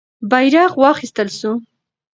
بیرغ واخیستل سو.